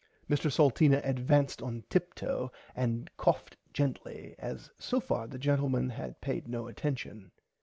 Mr Salteena advanced on tiptoe and coughed gently as so far the gentleman had paid no attention.